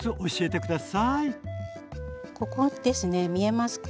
ここですね見えますか？